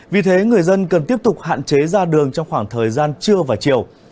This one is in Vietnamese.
vì thế người dân cần tiếp tục hạn chế ra đường trong khoảng thời gian trưa và chiều